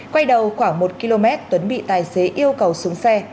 quay đầu khoảng một km tuấn bị tài xế yêu cầu xuống xe